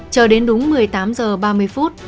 chờ đến đúng một mươi tám h ba mươi phút